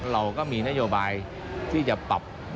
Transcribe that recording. เราก็มีนโยบายที่จะปรับ